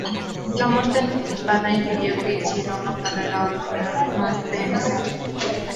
La muerte anticipada impidió que hiciera una carrera autoral más densa.